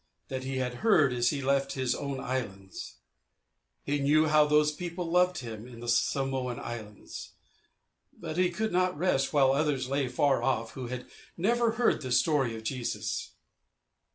that he had heard as he left his own islands. He knew how those people loved him in the Samoan Islands, but he could not rest while others lay far off who had never heard the story of Jesus.